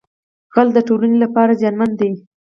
غل د ټولنې لپاره زیانمن دی